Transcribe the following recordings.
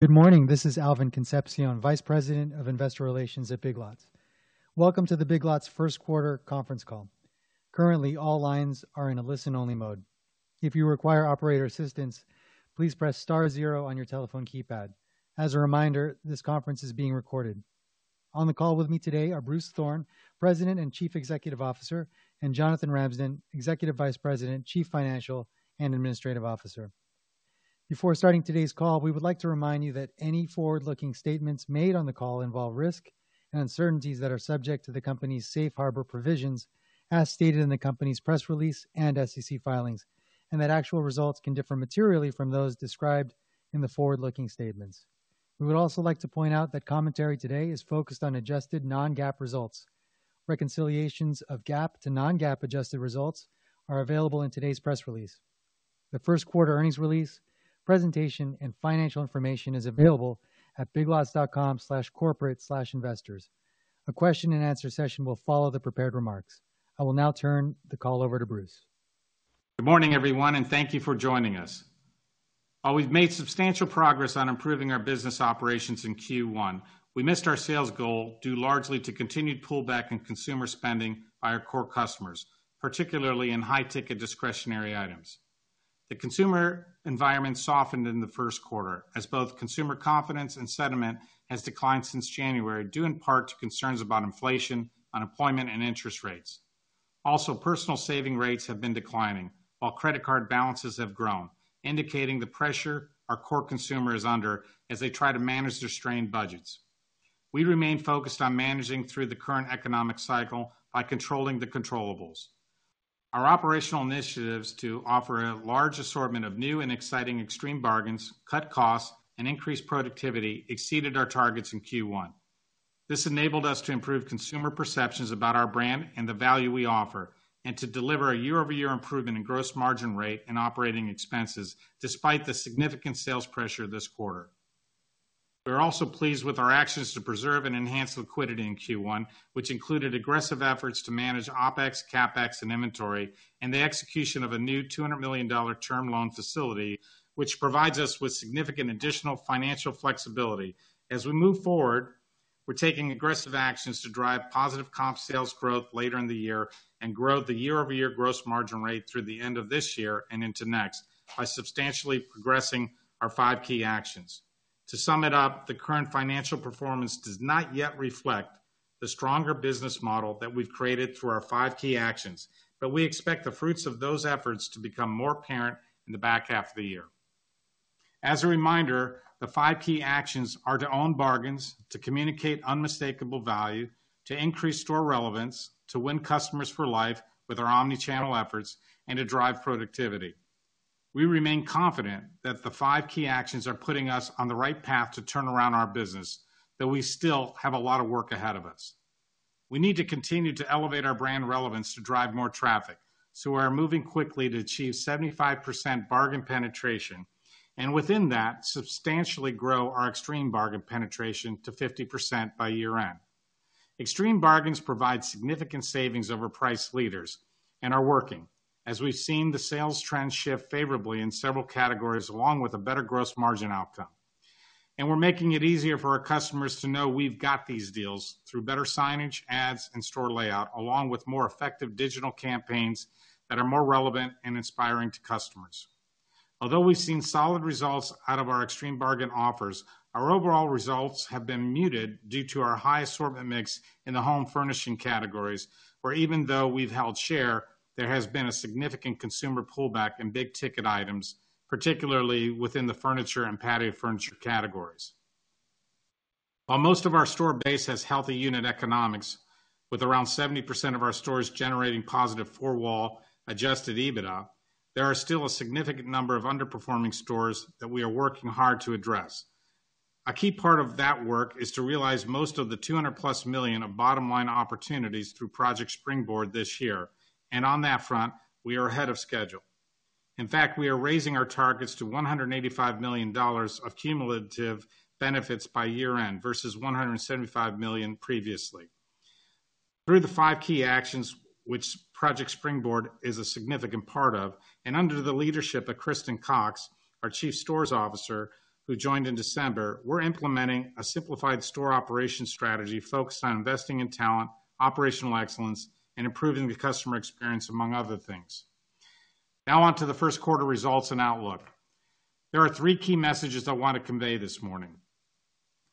Good morning, this is Alvin Concepcion, Vice President of Investor Relations at Big Lots. Welcome to the Big Lots first quarter conference call. Currently, all lines are in a listen-only mode. If you require operator assistance, please press star zero on your telephone keypad. As a reminder, this conference is being recorded. On the call with me today are Bruce Thorn, President and Chief Executive Officer, and Jonathan Ramsden, Executive Vice President, Chief Financial and Administrative Officer. Before starting today's call, we would like to remind you that any forward-looking statements made on the call involve risk and uncertainties that are subject to the company's Safe Harbor provisions, as stated in the company's press release and SEC filings, and that actual results can differ materially from those described in the forward-looking statements. We would also like to point out that commentary today is focused on adjusted non-GAAP results. Reconciliations of GAAP to non-GAAP adjusted results are available in today's press release. The first quarter earnings release, presentation, and financial information is available at biglots.com/corporate/investors. A question and answer session will follow the prepared remarks. I will now turn the call over to Bruce. Good morning, everyone, and thank you for joining us. While we've made substantial progress on improving our business operations in Q1, we missed our sales goal, due largely to continued pullback in consumer spending by our core customers, particularly in high-ticket discretionary items. The consumer environment softened in the first quarter as both consumer confidence and sentiment has declined since January, due in part to concerns about inflation, unemployment, and interest rates. Also, personal saving rates have been declining while credit card balances have grown, indicating the pressure our core consumer is under as they try to manage their strained budgets. We remain focused on managing through the current economic cycle by controlling the controllables. Our operational initiatives to offer a large assortment of new and exciting Extreme Bargains, cut costs, and increase productivity exceeded our targets in Q1. This enabled us to improve consumer perceptions about our brand and the value we offer, and to deliver a year-over-year improvement in gross margin rate and operating expenses, despite the significant sales pressure this quarter. We're also pleased with our actions to preserve and enhance liquidity in Q1, which included aggressive efforts to manage OpEx, CapEx, and inventory, and the execution of a new $200 million term loan facility, which provides us with significant additional financial flexibility. As we move forward, we're taking aggressive actions to drive positive comp sales growth later in the year and grow the year-over-year gross margin rate through the end of this year and into next by substantially progressing our Five Key Actions. To sum it up, the current financial performance does not yet reflect the stronger business model that we've created through our Five Key Actions, but we expect the fruits of those efforts to become more apparent in the back half of the year. As a reminder, the Five Key Actions are: to own bargains, to communicate unmistakable value, to increase store relevance, to Win Customers for Life with our Omnichannel efforts, and to drive productivity. We remain confident that the Five Key Actions are putting us on the right path to turn around our business, though we still have a lot of work ahead of us. We need to continue to elevate our brand relevance to drive more traffic, so we are moving quickly to achieve 75% bargain penetration, and within that, substantially grow our Extreme Bargain penetration to 50% by year-end. Extreme Bargains provide significant savings over price leaders and are working. As we've seen, the sales trends shift favorably in several categories, along with a better gross margin outcome. We're making it easier for our customers to know we've got these deals through better signage, ads, and store layout, along with more effective digital campaigns that are more relevant and inspiring to customers. Although we've seen solid results out of our Extreme Bargain offers, our overall results have been muted due to our high assortment mix in the home furnishing categories, where even though we've held share, there has been a significant consumer pullback in big-ticket items, particularly within the furniture and patio furniture categories. While most of our store base has healthy unit economics, with around 70% of our stores generating positive Four-Wall Adjusted EBITDA, there are still a significant number of underperforming stores that we are working hard to address. A key part of that work is to realize most of the $200+ million of bottom-line opportunities through Project Springboard this year, and on that front, we are ahead of schedule. In fact, we are raising our targets to $185 million of cumulative benefits by year-end versus $175 million previously. Through The Five Key Actions, which Project Springboard is a significant part of, and under the leadership of Kristen Cox, our Chief Stores Officer, who joined in December, we're implementing a simplified store operation strategy focused on investing in talent, operational excellence, and improving the customer experience, among other things. Now on to the first quarter results and outlook. There are three key messages I want to convey this morning.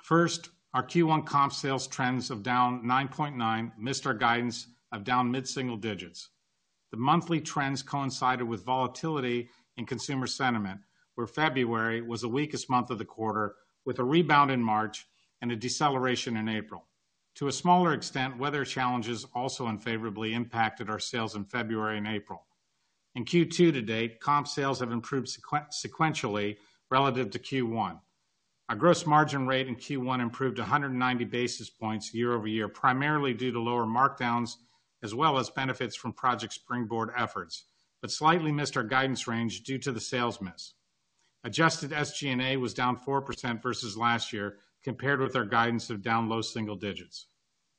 First, our Q1 comp sales trends of down 9.9 missed our guidance of down mid-single digits. The monthly trends coincided with volatility in consumer sentiment, where February was the weakest month of the quarter, with a rebound in March and a deceleration in April. To a smaller extent, weather challenges also unfavorably impacted our sales in February and April. In Q2 to date, comp sales have improved sequentially relative to Q1. Our gross margin rate in Q1 improved 190 basis points year-over-year, primarily due to lower markdowns, as well as benefits from Project Springboard efforts, but slightly missed our guidance range due to the sales miss. Adjusted SG&A was down 4% versus last year, compared with our guidance of down low single digits.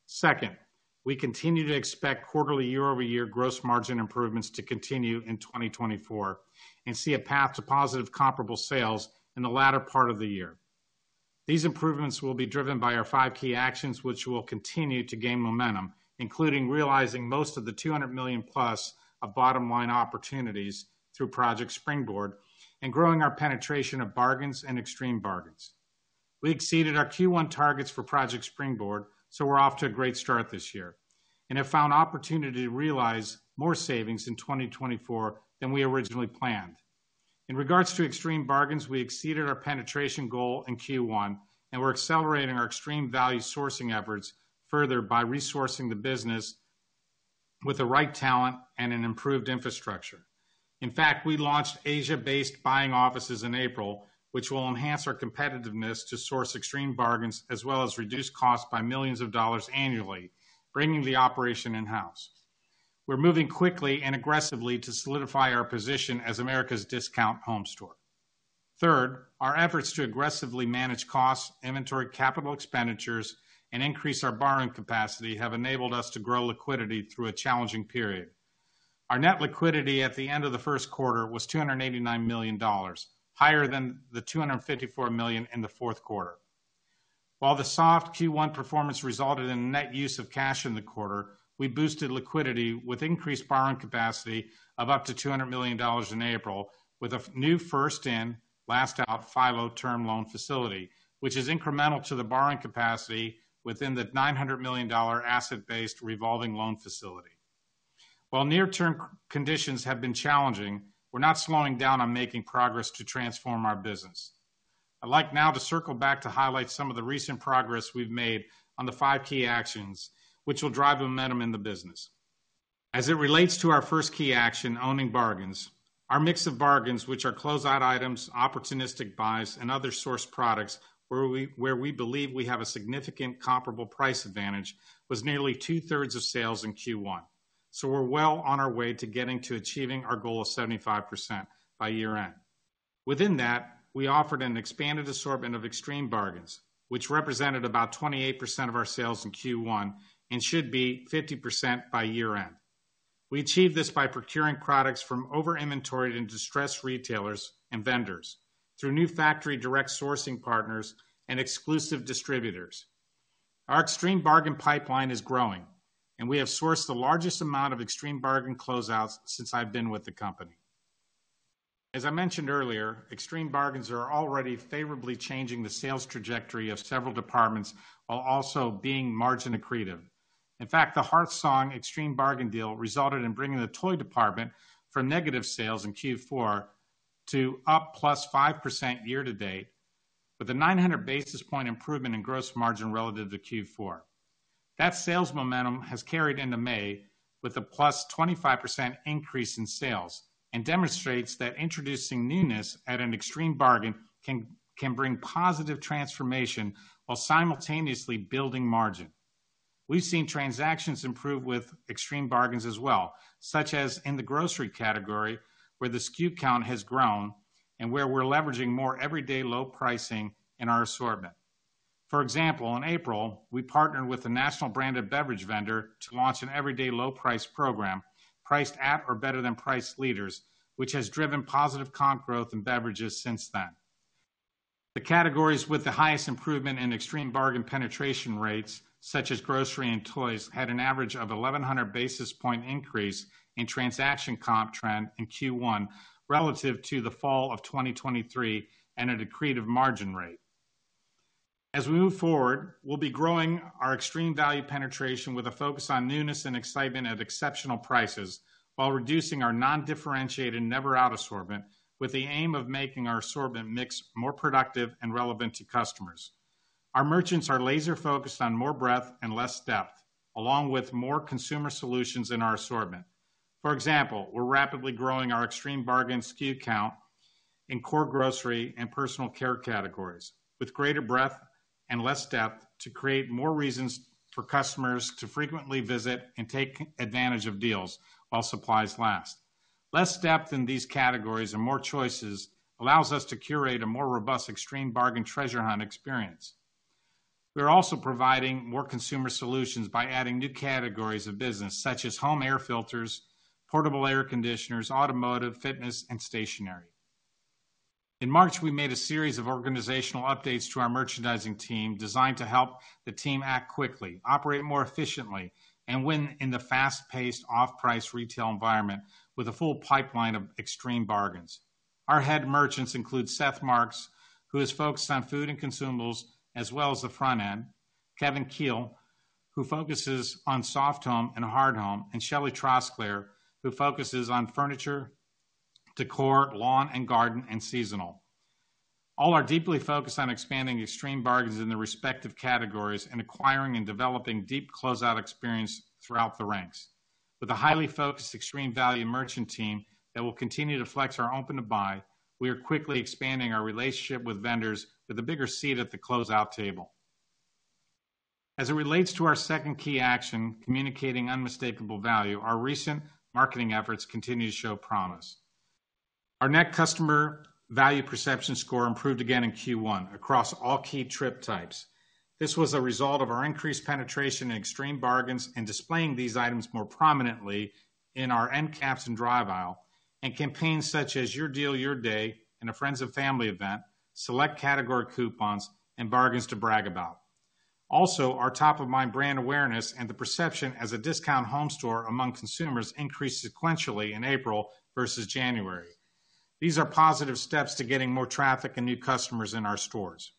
Second, we continue to expect quarterly year-over-year gross margin improvements to continue in 2024, and see a path to positive comparable sales in the latter part of the year. These improvements will be driven by our Five Key Actions, which will continue to gain momentum, including realizing most of the $200 million plus of bottom-line opportunities through Project Springboard, and growing our penetration of bargains and Extreme Bargains. We exceeded our Q1 targets for Project Springboard, so we're off to a great start this year, and have found opportunity to realize more savings in 2024 than we originally planned. In regards to Extreme Bargains, we exceeded our penetration goal in Q1, and we're accelerating our extreme value sourcing efforts further by resourcing the business with the right talent and an improved infrastructure. In fact, we launched Asia-based buying offices in April, which will enhance our competitiveness to source Extreme Bargains, as well as reduce costs by millions of dollars annually, bringing the operation in-house. We're moving quickly and aggressively to solidify our position as America's Discount Home Store. Third, our efforts to aggressively manage costs, inventory, capital expenditures, and increase our borrowing capacity have enabled us to grow liquidity through a challenging period. Our net liquidity at the end of the first quarter was $289 million, higher than the $254 million in the fourth quarter. While the soft Q1 performance resulted in net use of cash in the quarter, we boosted liquidity with increased borrowing capacity of up to $200 million in April, with a new First In, Last Out (FILO) term loan facility, which is incremental to the borrowing capacity within the $900 million Asset-Based Revolving Loan Facility. While near-term conditions have been challenging, we're not slowing down on making progress to transform our business. I'd like now to circle back to highlight some of the recent progress we've made on the Five Key Actions, which will drive momentum in the business. As it relates to our first key action, Owning Bargains, our mix of bargains, which are closeout items, opportunistic buys, and other sourced products, where we believe we have a significant comparable price advantage, was nearly two-thirds of sales in Q1. So we're well on our way to getting to achieving our goal of 75% by year-end. Within that, we offered an expanded assortment of Extreme Bargains, which represented about 28% of our sales in Q1 and should be 50% by year-end. We achieved this by procuring products from over-inventoried and distressed retailers and vendors through new factory direct sourcing partners and exclusive distributors. Our Extreme Bargain pipeline is growing, and we have sourced the largest amount of Extreme Bargain closeouts since I've been with the company. As I mentioned earlier, Extreme Bargains are already favorably changing the sales trajectory of several departments, while also being margin accretive. In fact, the HearthSong Extreme Bargain deal resulted in bringing the toy department from negative sales in Q4 to up +5% year to date, with a 900 basis point improvement in gross margin relative to Q4. That sales momentum has carried into May with a +25% increase in sales and demonstrates that introducing newness at an Extreme Bargain can bring positive transformation while simultaneously building margin. We've seen transactions improve with Extreme Bargains as well, such as in the grocery category, where the SKU count has grown and where we're leveraging more everyday low pricing in our assortment. For example, in April, we partnered with a national branded beverage vendor to launch an everyday low price program, priced at or better than price leaders, which has driven positive comp growth in beverages since then. The categories with the highest improvement in Extreme Bargain penetration rates, such as grocery and toys, had an average of 1,100 basis point increase in transaction comp trend in Q1 relative to the fall of 2023 and an accretive margin rate. As we move forward, we'll be growing our extreme value penetration with a focus on newness and excitement at exceptional prices, while reducing our non-differentiated, never out assortment, with the aim of making our assortment mix more productive and relevant to customers. Our merchants are laser-focused on more breadth and less depth, along with more consumer solutions in our assortment. For example, we're rapidly growing our Extreme Bargain SKU count in core grocery and personal care categories, with greater breadth and less depth to create more reasons for customers to frequently visit and take advantage of deals while supplies last. Less depth in these categories and more choices allows us to curate a more robust, Extreme Bargain treasure hunt experience. We're also providing more consumer solutions by adding new categories of business, such as home air filters, portable air conditioners, automotive, fitness, and stationery. In March, we made a series of organizational updates to our merchandising team, designed to help the team act quickly, operate more efficiently, and win in the fast-paced, off-price retail environment with a full pipeline of Extreme Bargains. Our head merchants include Seth Marks, who is focused on food and consumables, as well as the front end, Kevin Kuehl, who focuses on soft home and hard home, and Shelley Trosclair, who focuses on furniture, decor, lawn and garden, and seasonal. All are deeply focused on expanding Extreme Bargains in their respective categories and acquiring and developing deep closeout experience throughout the ranks. With a highly focused extreme value merchant team that will continue to flex our open-to-buy, we are quickly expanding our relationship with vendors with a bigger seat at the closeout table. As it relates to our second key action, communicating unmistakable value, our recent marketing efforts continue to show promise. Our net customer value perception score improved again in Q1 across all key trip types. This was a result of our increased penetration in Extreme Bargains and displaying these items more prominently in our end caps and drive aisle, and campaigns such as Your Deal, Your Day, and a Friends and Family event, select category coupons, and Bargains to Brag About. Also, our top-of-mind brand awareness and the perception as a discount home store among consumers increased sequentially in April versus January. These are positive steps to getting more traffic and new customers in our stores.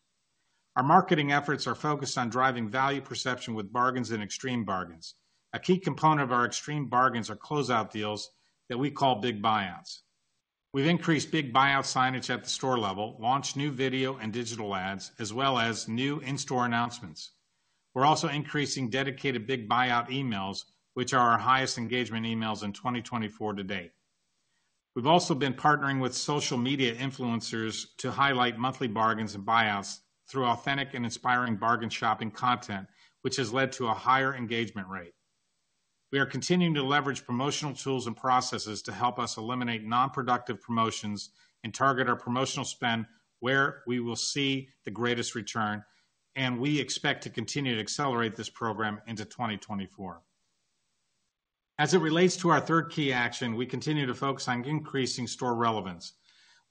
Our marketing efforts are focused on driving value perception with bargains and Extreme Bargains. A key component of our Extreme Bargains are closeout deals that we call Big Buyouts. We've increased Big Buyout signage at the store level, launched new video and digital ads, as well as new in-store announcements. We're also increasing dedicated Big Buyout emails, which are our highest engagement emails in 2024 to date. We've also been partnering with social media influencers to highlight monthly bargains and buyouts through authentic and inspiring bargain shopping content, which has led to a higher engagement rate. We are continuing to leverage promotional tools and processes to help us eliminate non-productive promotions and target our promotional spend where we will see the greatest return, and we expect to continue to accelerate this program into 2024. As it relates to our third key action, we continue to focus on increasing store relevance.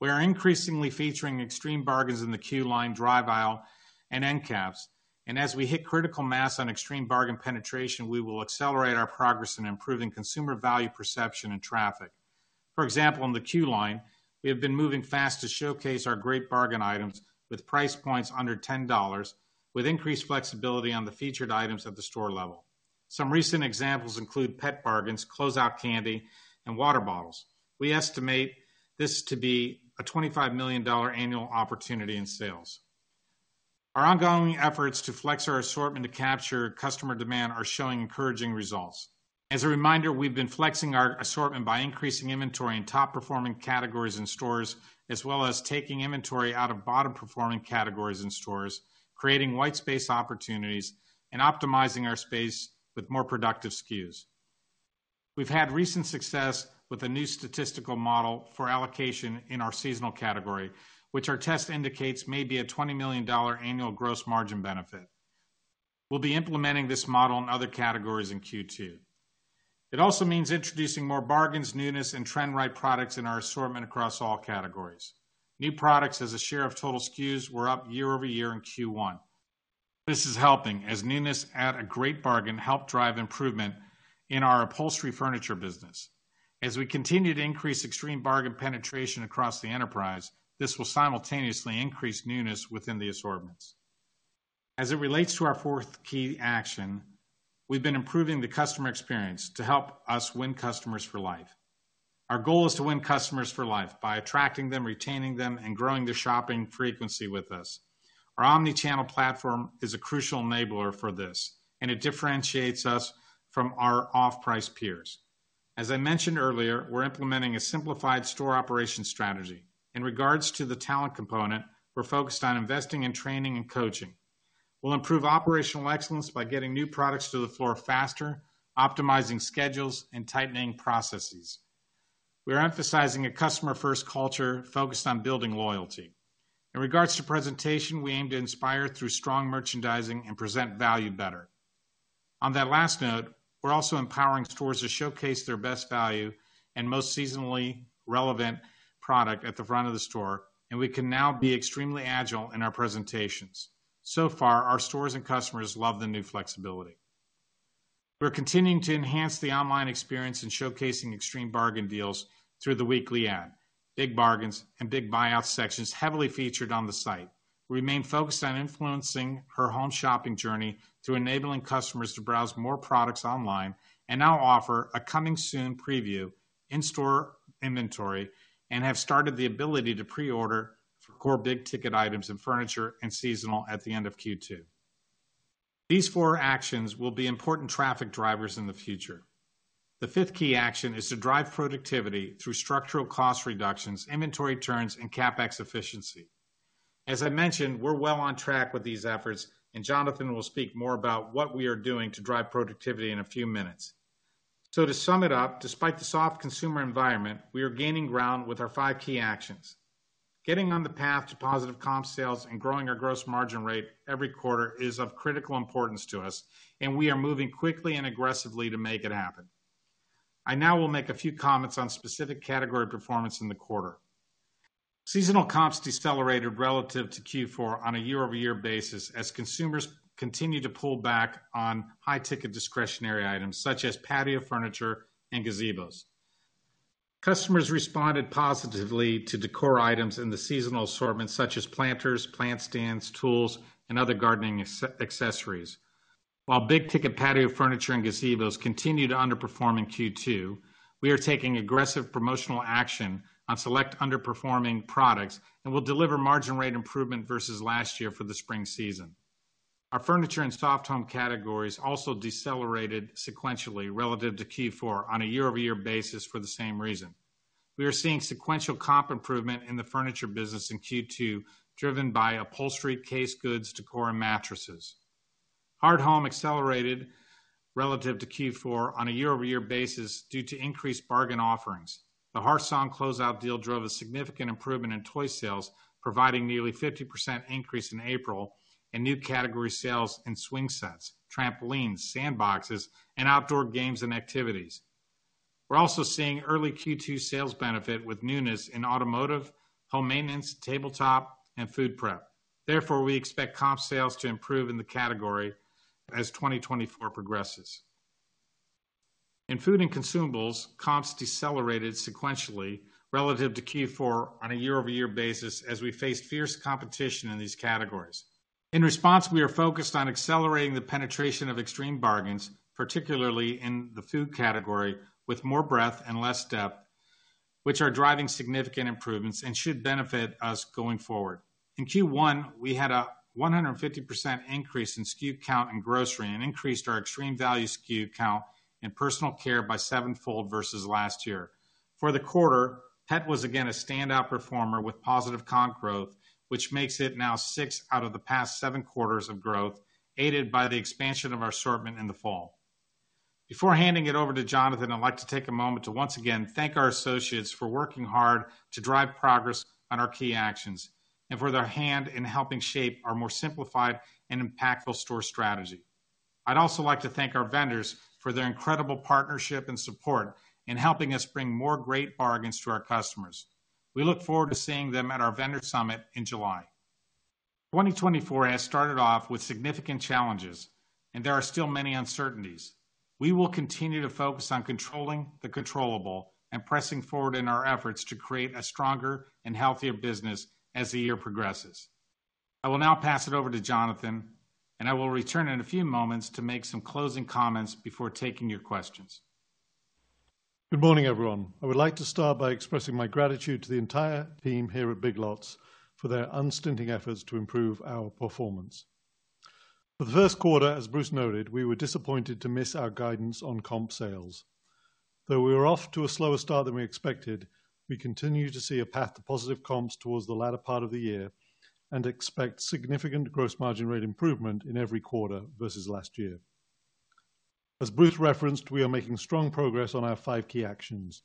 We are increasingly featuring Extreme Bargains in the queue line, drive aisle, and end caps. As we hit critical mass on Extreme Bargain penetration, we will accelerate our progress in improving consumer value, perception, and traffic. For example, in the queue line, we have been moving fast to showcase our great bargain items with price points under $10, with increased flexibility on the featured items at the store level. Some recent examples include pet bargains, closeout candy, and water bottles. We estimate this to be a $25 million annual opportunity in sales. Our ongoing efforts to flex our assortment to capture customer demand are showing encouraging results. As a reminder, we've been flexing our assortment by increasing inventory in top-performing categories in stores, as well as taking inventory out of bottom-performing categories in stores, creating white space opportunities, and optimizing our space with more productive SKUs. We've had recent success with a new statistical model for allocation in our seasonal category, which our test indicates may be a $20 million annual gross margin benefit. We'll be implementing this model in other categories in Q2. It also means introducing more bargains, newness, and trend-right products in our assortment across all categories. New products as a share of total SKUs were up year-over-year in Q1. This is helping, as newness at a great bargain helped drive improvement in our upholstery furniture business. As we continue to increase Extreme Bargain penetration across the enterprise, this will simultaneously increase newness within the assortments. As it relates to our fourth key action, we've been improving the customer experience to help us Win Customers for Life. Our goal is to Win Customers for Life by attracting them, retaining them, and growing their shopping frequency with us. Our Omnichannel platform is a crucial enabler for this, and it differentiates us from our off-price peers. As I mentioned earlier, we're implementing a simplified store operation strategy. In regards to the talent component, we're focused on investing in training and coaching. We'll improve operational excellence by getting new products to the floor faster, optimizing schedules, and tightening processes. We are emphasizing a Customer-First Culture focused on building loyalty. In regards to presentation, we aim to inspire through strong merchandising and present value better. On that last note, we're also empowering stores to showcase their best value and most seasonally relevant product at the front of the store, and we can now be extremely agile in our presentations. So far, our stores and customers love the new flexibility. We're continuing to enhance the online experience in showcasing Extreme Bargain deals through the weekly ad, big bargains, and big buyout sections heavily featured on the site. We remain focused on influencing her home shopping journey through enabling customers to browse more products online and now offer a coming soon preview in-store inventory, and have started the ability to pre-order for core big ticket items in furniture and seasonal at the end of Q2. These four actions will be important traffic drivers in the future. The fifth key action is to drive productivity through structural cost reductions, inventory turns, and CapEx efficiency. As I mentioned, we're well on track with these efforts, and Jonathan will speak more about what we are doing to drive productivity in a few minutes. To sum it up, despite the soft consumer environment, we are gaining ground with our Five Key Actions. Getting on the path to positive comp sales and growing our gross margin rate every quarter is of critical importance to us, and we are moving quickly and aggressively to make it happen. I now will make a few comments on specific category performance in the quarter. Seasonal comps decelerated relative to Q4 on a year-over-year basis, as consumers continued to pull back on high-ticket discretionary items such as patio, furniture, and gazebos. Customers responded positively to decor items in the seasonal assortment, such as planters, plant stands, tools, and other gardening accessories. While big ticket patio furniture and gazebos continued to underperform in Q2, we are taking aggressive promotional action on select underperforming products and will deliver margin rate improvement versus last year for the spring season. Our furniture and soft home categories also decelerated sequentially relative to Q4 on a year-over-year basis for the same reason. We are seeing sequential comp improvement in the furniture business in Q2, driven by upholstery, case goods, decor, and mattresses. Hard Home accelerated relative to Q4 on a year-over-year basis due to increased bargain offerings. The HearthSong closeout deal drove a significant improvement in toy sales, providing nearly 50% increase in April, and new category sales in swing sets, trampolines, sandboxes, and outdoor games and activities. We're also seeing early Q2 sales benefit with newness in automotive, home maintenance, tabletop, and food prep. Therefore, we expect comp sales to improve in the category as 2024 progresses. In food and consumables, comps decelerated sequentially relative to Q4 on a year-over-year basis as we faced fierce competition in these categories. In response, we are focused on accelerating the penetration of Extreme Bargains, particularly in the food category, with more breadth and less depth, which are driving significant improvements and should benefit us going forward. In Q1, we had a 150% increase in SKU count in grocery and increased our extreme value SKU count in personal care by sevenfold versus last year. For the quarter, Pet was again a standout performer with positive comp growth, which makes it now six out of the past seven quarters of growth, aided by the expansion of our assortment in the fall. Before handing it over to Jonathan, I'd like to take a moment to once again thank our associates for working hard to drive progress on our key actions, and for their hand in helping shape our more simplified and impactful store strategy. I'd also like to thank our vendors for their incredible partnership and support in helping us bring more great bargains to our customers. We look forward to seeing them at our vendor summit in July. 2024 has started off with significant challenges, and there are still many uncertainties. We will continue to focus on controlling the controllable and pressing forward in our efforts to create a stronger and healthier business as the year progresses. I will now pass it over to Jonathan, and I will return in a few moments to make some closing comments before taking your questions. Good morning, everyone. I would like to start by expressing my gratitude to the entire team here at Big Lots for their unstinting efforts to improve our performance. For the first quarter, as Bruce noted, we were disappointed to miss our guidance on comp sales. Though we were off to a slower start than we expected, we continue to see a path to positive comps towards the latter part of the year and expect significant gross margin rate improvement in every quarter versus last year. As Bruce referenced, we are making strong progress on our Five Key Actions,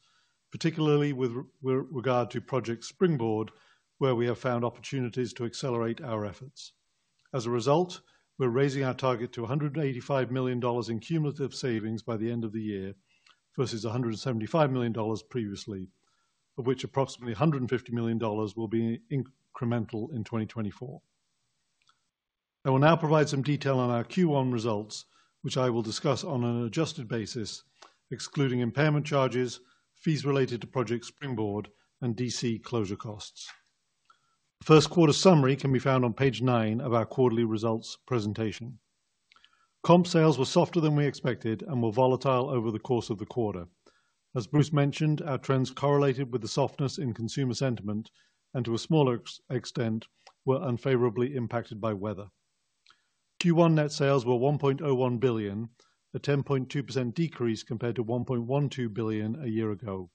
particularly with regard to Project Springboard, where we have found opportunities to accelerate our efforts. As a result, we're raising our target to $185 million in cumulative savings by the end of the year, versus $175 million previously, of which approximately $150 million will be incremental in 2024. I will now provide some detail on our Q1 results, which I will discuss on an adjusted basis, excluding impairment charges, fees related to Project Springboard, and DC closure costs. First quarter summary can be found on page nine of our quarterly results presentation. Comp sales were softer than we expected and were volatile over the course of the quarter. As Bruce mentioned, our trends correlated with the softness in consumer sentiment and, to a smaller extent, were unfavorably impacted by weather. Q1 net sales were $1.01 billion, a 10.2% decrease compared to $1.12 billion a year ago,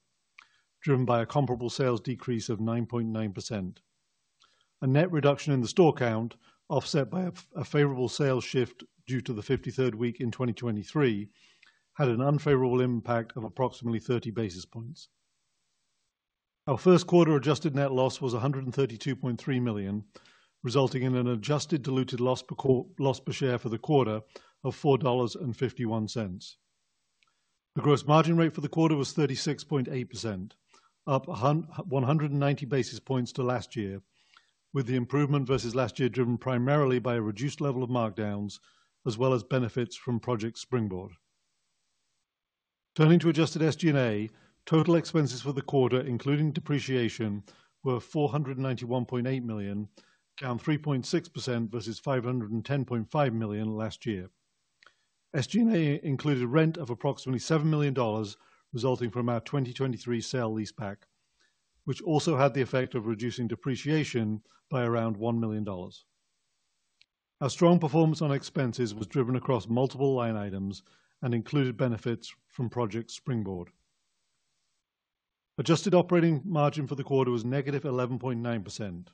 driven by a comparable sales decrease of 9.9%. A net reduction in the store count, offset by a favorable sales shift due to the 53rd week in 2023, had an unfavorable impact of approximately 30 basis points. Our first quarter adjusted net loss was $132.3 million, resulting in an adjusted diluted loss per share for the quarter of $4.51. The gross margin rate for the quarter was 36.8%, up 190 basis points to last year, with the improvement versus last year driven primarily by a reduced level of markdowns, as well as benefits from Project Springboard. Turning to adjusted SG&A, total expenses for the quarter, including depreciation, were $491.8 million, down 3.6% versus $510.5 million last year. SG&A included rent of approximately $7 million, resulting from our 2023 sale-leaseback, which also had the effect of reducing depreciation by around $1 million. Our strong performance on expenses was driven across multiple line items and included benefits from Project Springboard. Adjusted operating margin for the quarter was negative 11.9%.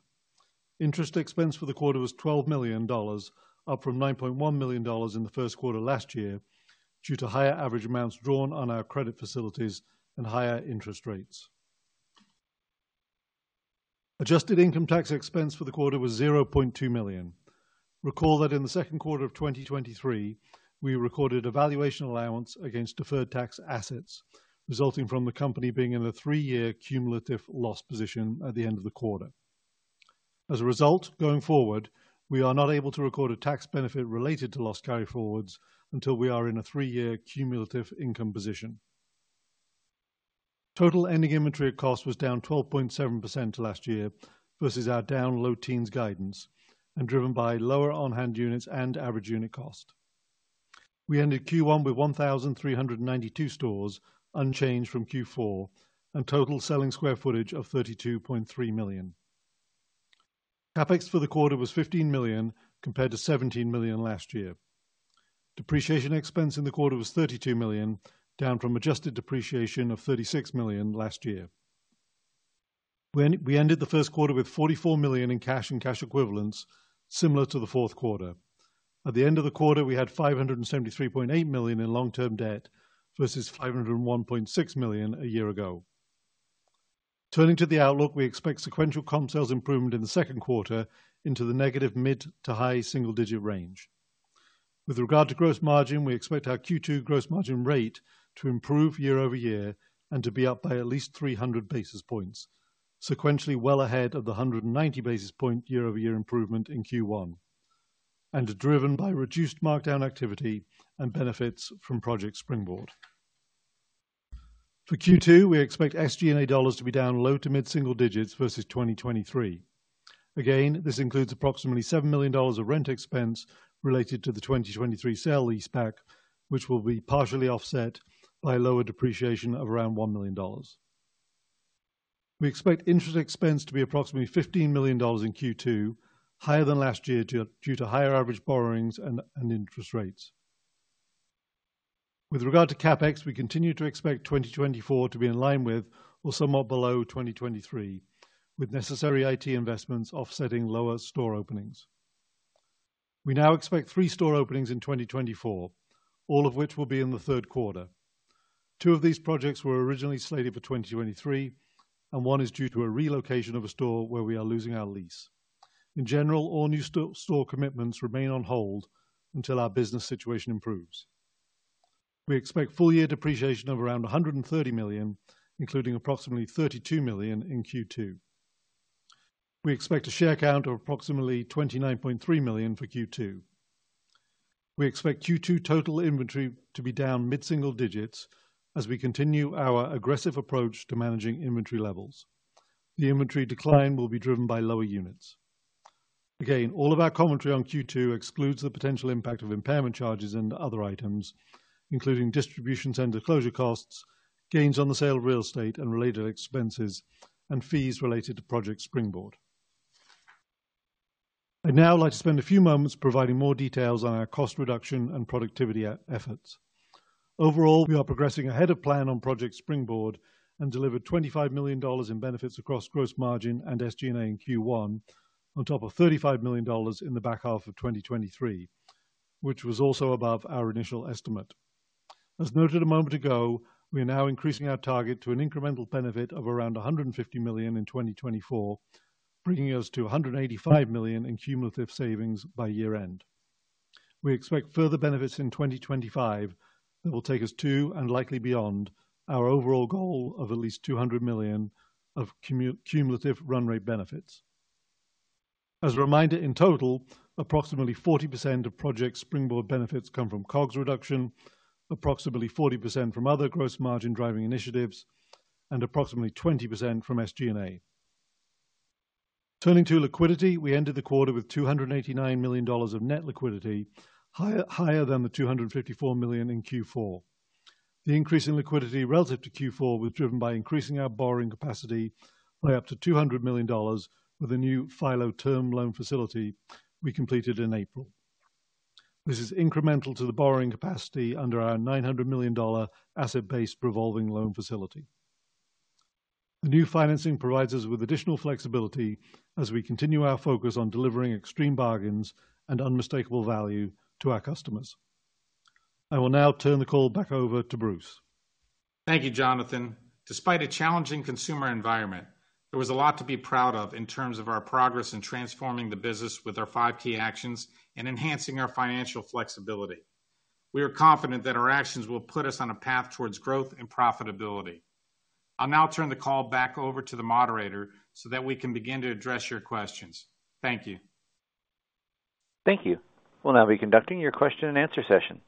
Interest expense for the quarter was $12 million, up from $9.1 million in the first quarter last year, due to higher average amounts drawn on our credit facilities and higher interest rates. Adjusted income tax expense for the quarter was $0.2 million. Recall that in the second quarter of 2023, we recorded a valuation allowance against deferred tax assets, resulting from the company being in a three year cumulative loss position at the end of the quarter. As a result, going forward, we are not able to record a tax benefit related to loss carryforwards until we are in a three year cumulative income position. Total ending inventory of cost was down 12.7% to last year, versus our down low teens guidance, and driven by lower on-hand units and average unit cost. We ended Q1 with 1,392 stores, unchanged from Q4, and total selling square footage of 32.3 million sq ft. CapEx for the quarter was $15 million, compared to $17 million last year. Depreciation expense in the quarter was $32 million, down from adjusted depreciation of $36 million last year. We ended the first quarter with $44 million in cash and cash equivalents, similar to the fourth quarter. At the end of the quarter, we had $573.8 million in long-term debt, versus $501.6 million a year ago. Turning to the outlook, we expect sequential comp sales improvement in the second quarter into the negative mid- to high-single-digit range. With regard to gross margin, we expect our Q2 gross margin rate to improve year-over-year and to be up by at least 300 basis points, sequentially well ahead of the 190 basis point year-over-year improvement in Q1, and driven by reduced markdown activity and benefits from Project Springboard. For Q2, we expect SG&A dollars to be down low to mid single digits versus 2023. Again, this includes approximately $7 million of rent expense related to the 2023 sale-leaseback, which will be partially offset by lower depreciation of around $1 million. We expect interest expense to be approximately $15 million in Q2, higher than last year due to higher average borrowings and interest rates. With regard to CapEx, we continue to expect 2024 to be in line with or somewhat below 2023, with necessary IT investments offsetting lower store openings. We now expect three store openings in 2024, all of which will be in the third quarter. Two of these projects were originally slated for 2023, and one is due to a relocation of a store where we are losing our lease. In general, all new store commitments remain on hold until our business situation improves. We expect full year depreciation of around $130 million, including approximately $32 million in Q2. We expect a share count of approximately 29.3 million for Q2. We expect Q2 total inventory to be down mid-single digits as we continue our aggressive approach to managing inventory levels. The inventory decline will be driven by lower units. Again, all of our commentary on Q2 excludes the potential impact of impairment charges and other items, including distribution center closure costs, gains on the sale of real estate and related expenses, and fees related to Project Springboard. I'd now like to spend a few moments providing more details on our cost reduction and productivity efforts. Overall, we are progressing ahead of plan on Project Springboard and delivered $25 million in benefits across gross margin and SG&A in Q1, on top of $35 million in the back half of 2023, which was also above our initial estimate. As noted a moment ago, we are now increasing our target to an incremental benefit of around 150 million in 2024, bringing us to 185 million in cumulative savings by year-end. We expect further benefits in 2025 that will take us to, and likely beyond, our overall goal of at least 200 million of cumulative run rate benefits. As a reminder, in total, approximately 40% of Project Springboard benefits come from COGS reduction, approximately 40% from other gross margin-driving initiatives, and approximately 20% from SG&A. Turning to liquidity, we ended the quarter with $289 million of net liquidity, higher than the $254 million in Q4. The increase in liquidity relative to Q4 was driven by increasing our borrowing capacity by up to $200 million with a new FILO Term Loan Facility we completed in April. This is incremental to the borrowing capacity under our $900 million Asset-Based Revolving Loan Facility. The new financing provides us with additional flexibility as we continue our focus on delivering Extreme Bargains and unmistakable value to our customers. I will now turn the call back over to Bruce. Thank you, Jonathan. Despite a challenging consumer environment, there was a lot to be proud of in terms of our progress in transforming the business with our Five Key Actions and enhancing our financial flexibility. We are confident that our actions will put us on a path towards growth and profitability. I'll now turn the call back over to the moderator so that we can begin to address your questions. Thank you. Thank you. We'll now be conducting your question and answer session.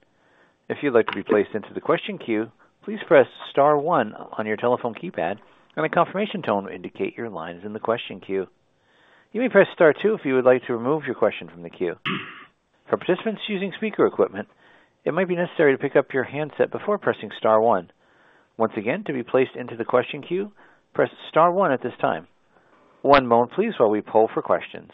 If you'd like to be placed into the question queue, please press star one on your telephone keypad, and a confirmation tone will indicate your line is in the question queue. You may press star two if you would like to remove your question from the queue. For participants using speaker equipment, it might be necessary to pick up your handset before pressing star one. Once again, to be placed into the question queue, press star one at this time. One moment please, while we poll for questions.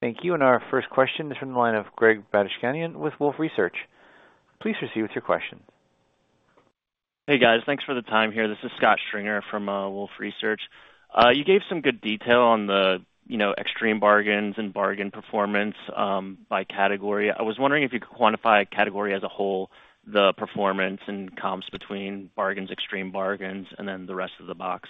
Thank you, and our first question is from the line of Greg Badishkanian with Wolfe Research. Please proceed with your question. Hey, guys. Thanks for the time here. This is Scott Stringer from Wolfe Research. You gave some good detail on the, you know, Extreme Bargains and bargain performance by category. I was wondering if you could quantify category as a whole, the performance and comps between bargains, Extreme Bargains, and then the rest of the box?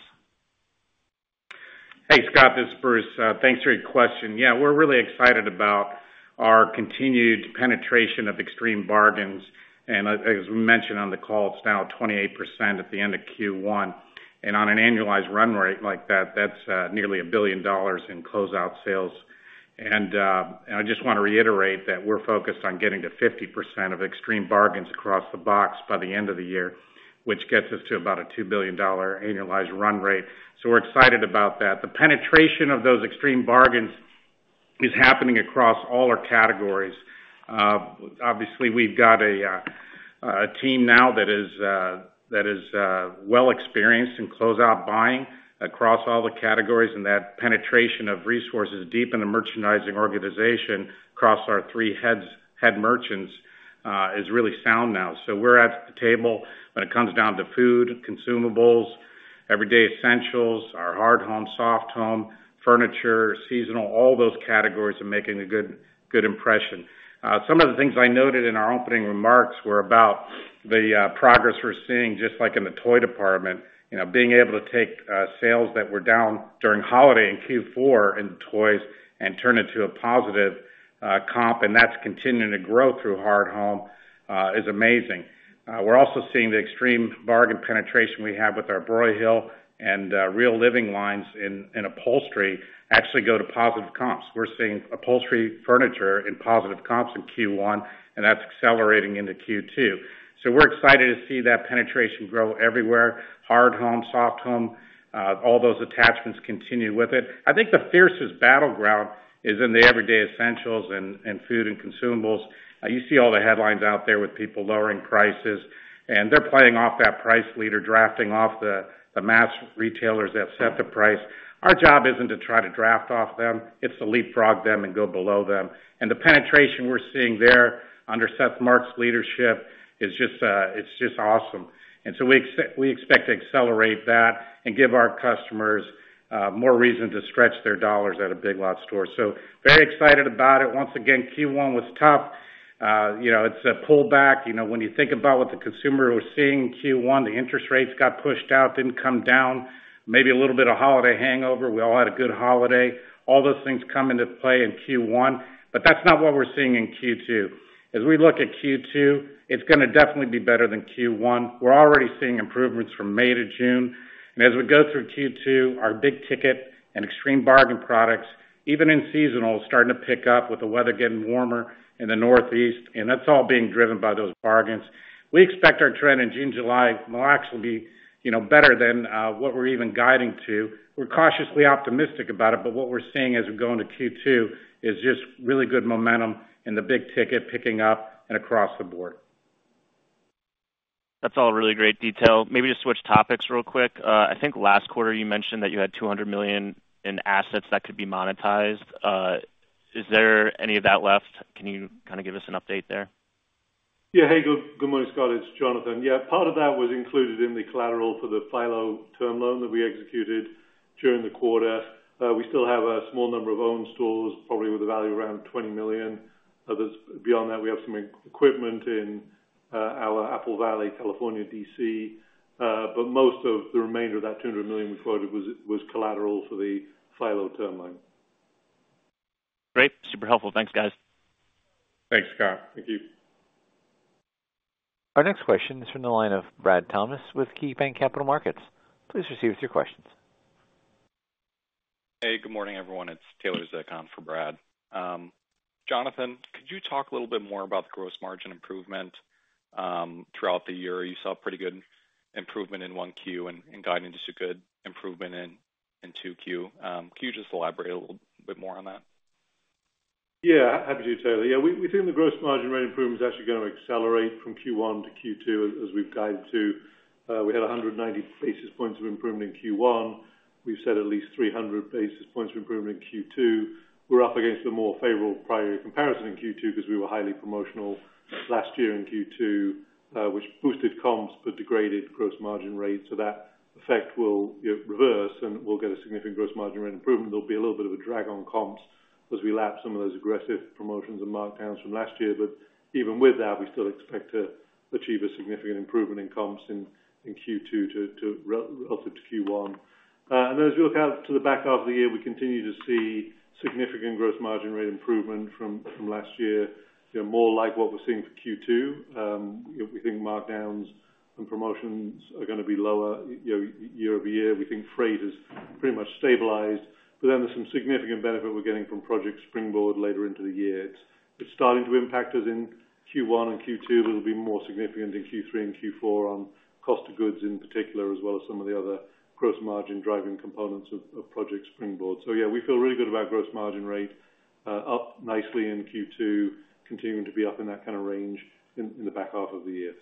Hey, Scott, this is Bruce. Thanks for your question. Yeah, we're really excited about our continued penetration of Extreme Bargains. And as we mentioned on the call, it's now 28% at the end of Q1. And on an annualized run rate like that, that's nearly $1 billion in closeout sales. And I just want to reiterate that we're focused on getting to 50% of Extreme Bargains across the box by the end of the year, which gets us to about a $2 billion annualized run rate. So we're excited about that. The penetration of those Extreme Bargains is happening across all our categories. Obviously, we've got a team now that is well experienced in closeout buying across all the categories, and that penetration of resources deep in the merchandising organization across our three heads, head merchants is really sound now. So we're at the table when it comes down to food, consumables, everyday essentials, our hard home, soft home, furniture, seasonal, all those categories are making a good, good impression. Some of the things I noted in our opening remarks were about the progress we're seeing, just like in the toy department. You know, being able to take sales that were down during holiday in Q4 in toys and turn it to a positive comp, and that's continuing to grow through hard home is amazing. We're also seeing the Extreme Bargain penetration we have with our Broyhill and Real Living lines in upholstery actually go to positive comps. We're seeing upholstery furniture in positive comps in Q1, and that's accelerating into Q2. So we're excited to see that penetration grow everywhere, hard home, soft home, all those attachments continue with it. I think the fiercest battleground is in the everyday essentials and food and consumables. You see all the headlines out there with people lowering prices, and they're playing off that price leader, drafting off the mass retailers that set the price. Our job isn't to try to draft off them, it's to leapfrog them and go below them. And the penetration we're seeing there under Seth Marks's leadership is just, it's just awesome. And so we expect to accelerate that and give our customers more reason to stretch their dollars at a Big Lots store. So very excited about it. Once again, Q1 was tough. You know, it's a pullback. You know, when you think about what the consumer was seeing in Q1, the interest rates got pushed out, didn't come down. Maybe a little bit of holiday hangover. We all had a good holiday. All those things come into play in Q1, but that's not what we're seeing in Q2. As we look at Q2, it's gonna definitely be better than Q1. We're already seeing improvements from May to June, and as we go through Q2, our big ticket and Extreme Bargain products, even in seasonal, is starting to pick up with the weather getting warmer in the Northeast, and that's all being driven by those bargains. We expect our trend in June/July, will actually be, you know, better than what we're even guiding to. We're cautiously optimistic about it, but what we're seeing as we go into Q2 is just really good momentum in the big ticket, picking up and across the board. That's all really great detail. Maybe just switch topics real quick. I think last quarter you mentioned that you had $200 million in assets that could be monetized. Is there any of that left? Can you kind of give us an update there? Yeah. Hey, good, good morning, Scott. It's Jonathan. Yeah, part of that was included in the collateral for the FILO term loan that we executed during the quarter. We still have a small number of own stores, probably with a value around $20 million. Others. Beyond that, we have some equipment in our Apple Valley, California, DC, but most of the remainder of that $200 million we quoted was collateral for the FILO term loan. Great. Super helpful. Thanks, guys. Thanks, Scott. Thank you. Our next question is from the line of Brad Thomas with KeyBanc Capital Markets. Please proceed with your questions. Hey, good morning, everyone. It's Taylor Zick for Brad. Jonathan, could you talk a little bit more about the gross margin improvement throughout the year? You saw pretty good improvement in 1Q and guiding just a good improvement in 2Q. Can you just elaborate a little bit more on that? Yeah, happy to, Taylor. Yeah, we think the gross margin rate improvement is actually gonna accelerate from Q1 to Q2, as we've guided to. We had 100 basis points of improvement in Q1. We've said at least 300 basis points of improvement in Q2. We're up against a more favorable prior year comparison in Q2 because we were highly promotional last year in Q2, which boosted comps but degraded gross margin rates. So that effect will, you know, reverse, and we'll get a significant gross margin rate improvement. There'll be a little bit of a drag on comps as we lap some of those aggressive promotions and markdowns from last year. But even with that, we still expect to achieve a significant improvement in comps in Q2 to up to Q1. And then as we look out to the back half of the year, we continue to see significant gross margin rate improvement from last year. They're more like what we're seeing for Q2. We think markdowns and promotions are gonna be lower year-over-year. We think freight is pretty much stabilized, but then there's some significant benefit we're getting from Project Springboard later into the year. It's starting to impact us in Q1 and Q2, but it'll be more significant in Q3 and Q4 on cost of goods in particular, as well as some of the other gross margin-driving components of Project Springboard. So yeah, we feel really good about gross margin rate up nicely in Q2, continuing to be up in that kind of range in the back half of the year.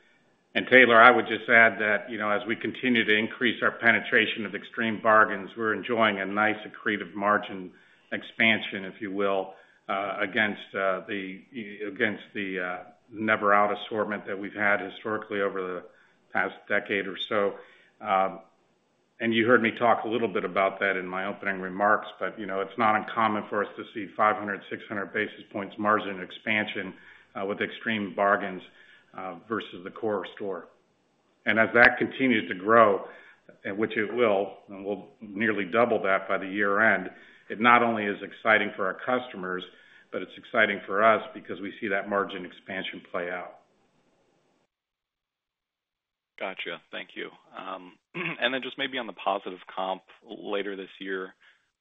Taylor, I would just add that, you know, as we continue to increase our penetration of Extreme Bargains, we're enjoying a nice accretive margin expansion, if you will, against the never out assortment that we've had historically over the past decade or so. And you heard me talk a little bit about that in my opening remarks, but, you know, it's not uncommon for us to see 500-600 basis points margin expansion with Extreme Bargains versus the core store. And as that continues to grow, and which it will, and we'll nearly double that by the year-end, it not only is exciting for our customers, but it's exciting for us because we see that margin expansion play out. Gotcha. Thank you. And then just maybe on the positive comp later this year,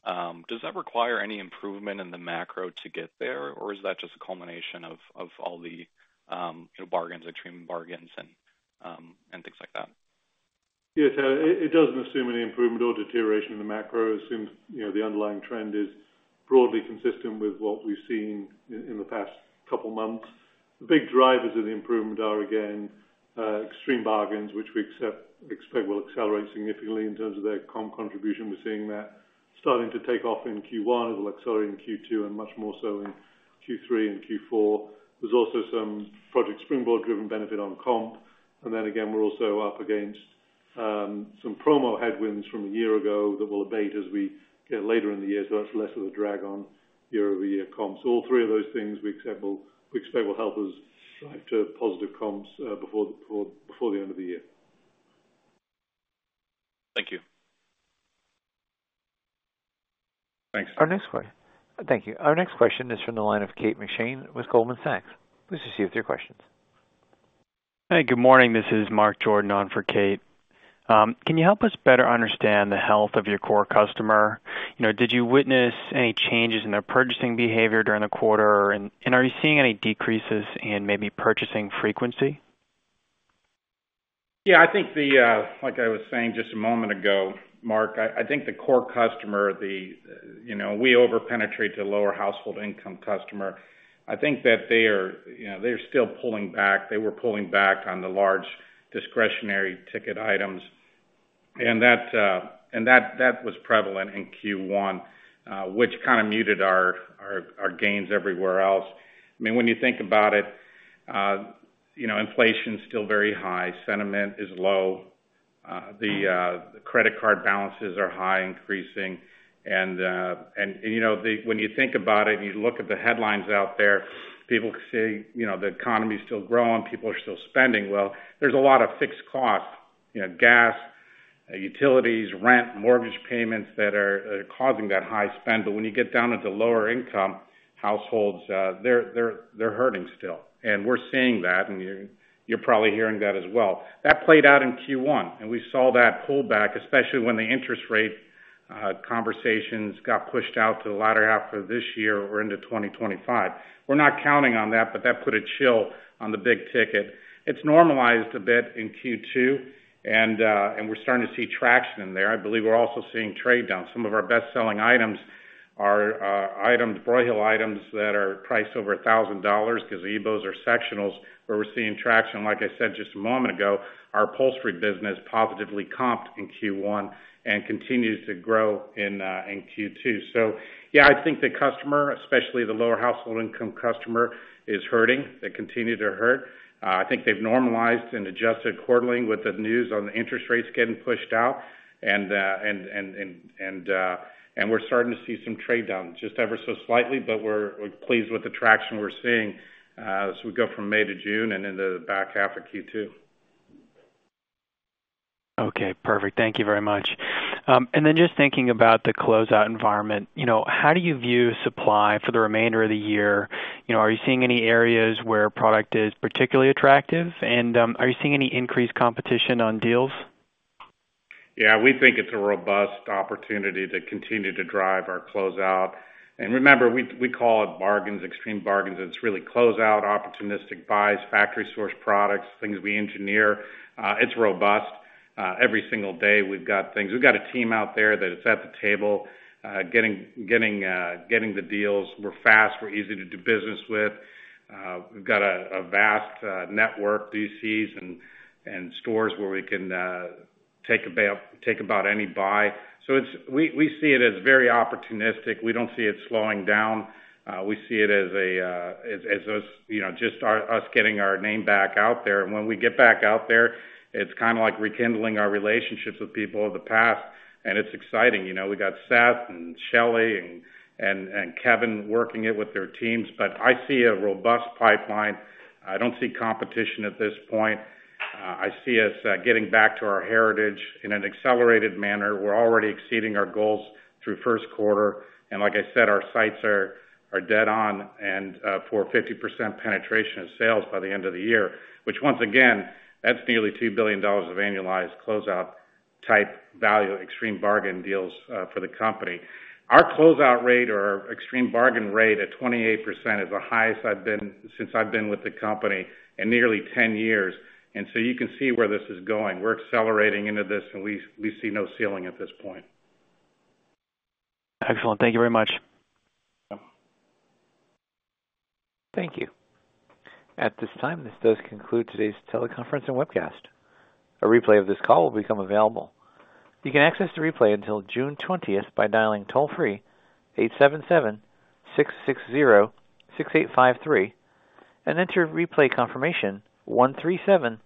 does that require any improvement in the macro to get there, or is that just a culmination of all the, you know, bargains, Extreme Bargains and things like that? Yes, so it, it doesn't assume any improvement or deterioration in the macro. It assumes, you know, the underlying trend is broadly consistent with what we've seen in, in the past couple of months. The big drivers of the improvement are, again, Extreme Bargains, which we expect will accelerate significantly in terms of their comp contribution. We're seeing that starting to take off in Q1. It'll accelerate in Q2 and much more so in Q3 and Q4. There's also some Project Springboard-driven benefit on comp. And then again, we're also up against-... some promo headwinds from a year ago that will abate as we get later in the year, so that's less of a drag on year-over-year comps. All three of those things we expect will help us drive to positive comps before the end of the year. Thank you. Thanks. Our next question. Thank you. Our next question is from the line of Kate McShane with Goldman Sachs. Please proceed with your questions. Hi, good morning. This is Mark Jordan on for Kate. Can you help us better understand the health of your core customer? You know, did you witness any changes in their purchasing behavior during the quarter? And are you seeing any decreases in maybe purchasing frequency? Yeah, I think the, like I was saying just a moment ago, Mark, I think the core customer, the, you know, we over-penetrate the lower household income customer. I think that they are, you know, they're still pulling back. They were pulling back on the large discretionary ticket items, and that, and that was prevalent in Q1, which kind of muted our gains everywhere else. I mean, when you think about it, you know, inflation is still very high, sentiment is low, the credit card balances are high, increasing. And, you know, when you think about it, and you look at the headlines out there, people say, you know, the economy is still growing, people are still spending. Well, there's a lot of fixed costs, you know, gas, utilities, rent, mortgage payments that are causing that high spend. But when you get down into lower income households, they're hurting still. And we're seeing that, and you're probably hearing that as well. That played out in Q1, and we saw that pullback, especially when the interest rate conversations got pushed out to the latter half of this year or into 2025. We're not counting on that, but that put a chill on the big ticket. It's normalized a bit in Q2, and we're starting to see traction there. I believe we're also seeing trade down. Some of our best-selling items are items, Broyhill items that are priced over $1,000, gazebos or sectionals, where we're seeing traction. Like I said, just a moment ago, our upholstery business positively comped in Q1 and continues to grow in Q2. So yeah, I think the customer, especially the lower household income customer, is hurting. They continue to hurt. I think they've normalized and adjusted accordingly with the news on the interest rates getting pushed out. And we're starting to see some trade down, just ever so slightly, but we're pleased with the traction we're seeing as we go from May to June and into the back half of Q2. Okay, perfect. Thank you very much. And then just thinking about the closeout environment, you know, how do you view supply for the remainder of the year? You know, are you seeing any areas where product is particularly attractive? And, are you seeing any increased competition on deals? Yeah, we think it's a robust opportunity to continue to drive our closeout. And remember, we call it bargains, Extreme Bargains, and it's really closeout, opportunistic buys, factory source products, things we engineer. It's robust. Every single day, we've got things. We've got a team out there that is at the table, getting the deals. We're fast, we're easy to do business with. We've got a vast network, DCs and stores where we can take about any buy. So it's. We see it as very opportunistic. We don't see it slowing down. We see it as, you know, just us getting our name back out there. And when we get back out there, it's kind of like rekindling our relationships with people of the past, and it's exciting. You know, we got Seth and Shelley and Kevin working it with their teams, but I see a robust pipeline. I don't see competition at this point. I see us getting back to our heritage in an accelerated manner. We're already exceeding our goals through first quarter, and like I said, our sights are dead on and for a 50% penetration of sales by the end of the year, which once again, that's nearly $2 billion of annualized closeout type value, Extreme Bargain deals for the company. Our closeout rate or Extreme Bargain rate at 28% is the highest I've seen since I've been with the company in nearly 10 years. And so you can see where this is going. We're accelerating into this, and we see no ceiling at this point. Excellent. Thank you very much. Thank you. At this time, this does conclude today's teleconference and webcast. A replay of this call will become available. You can access the replay until June 20th by dialing toll-free 877-660-6853 and enter replay confirmation 13746656,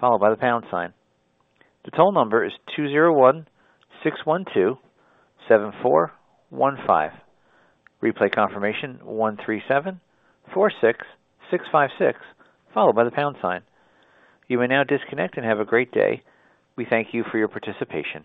followed by the pound sign. The toll number is 201-612-7415, replay confirmation 13746656, followed by the pound sign. You may now disconnect and have a great day. We thank you for your participation.